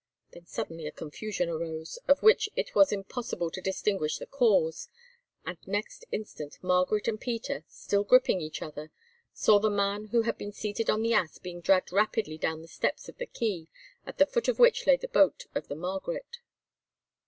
Then suddenly a confusion arose, of which it was impossible to distinguish the cause, and next instant Margaret and Peter, still gripping each other, saw the man who had been seated on the ass being dragged rapidly down the steps of the quay, at the foot of which lay the boat of the Margaret.